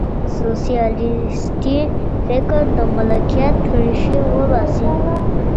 سوسیالیستي فکر د ملکیت ریښې وباسي.